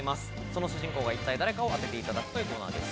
その主人公が一体誰かを当てていただくというコーナーです。